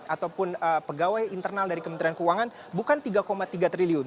ataupun pegawai internal dari kementerian keuangan bukan tiga tiga triliun